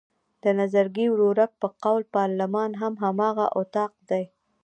د نظرګي ورورک په قول پارلمان هم هماغه اطاق دی.